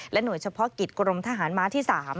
แล้วหน่วยเฉพาะกิฤทธิ์กรมทหารมาร์ทที่๓